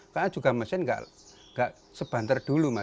karena juga mesin enggak sebentar dulu mas